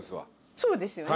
そうですよね？